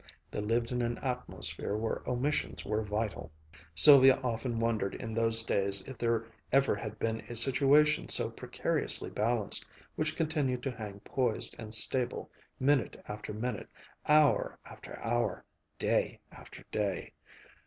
They lived in an atmosphere where omissions were vital. Sylvia often wondered in those days if there ever had been a situation so precariously balanced which continued to hang poised and stable, minute after minute, hour after hour, day after day.